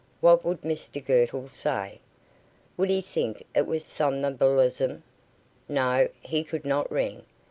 What would Mr Girtle say? Would he think it was somnambulism? No; he could not ring.